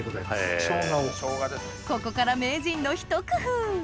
ここから名人のひと工夫